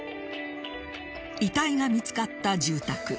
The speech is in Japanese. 遺体が見つかった住宅